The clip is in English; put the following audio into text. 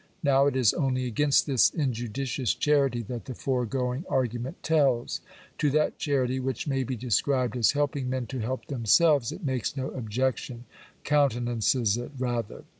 Now it is only against this injudicious charity that the foregoing argument tells. To that charity which may be described as helping men to help themselves, it r makes no objection — countenances it rather.